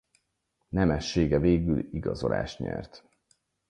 Nemessége végül igazolást nyert.